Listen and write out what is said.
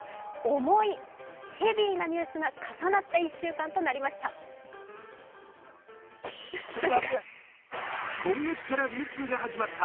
「重」、ヘビーなニュースが重なった１週間となりました。